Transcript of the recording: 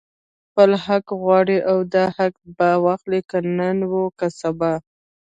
خپل حق غواړي او دا حق به اخلي، که نن وو که سبا